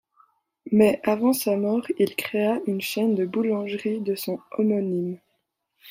Mais avant sa mort, il créa une chaîne de boulangeries de son homonyme.